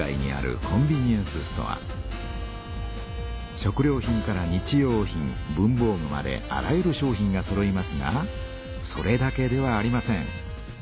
食料品から日用品文ぼう具まであらゆる商品がそろいますがそれだけではありません。